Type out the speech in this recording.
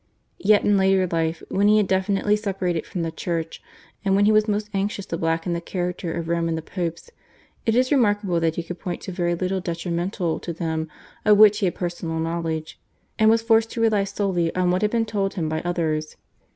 Yet in later life, when he had definitely separated from the Church and when he was most anxious to blacken the character of Rome and the Popes, it is remarkable that he could point to very little detrimental to them of which he had personal knowledge, and was forced to rely solely on what had been told him by others.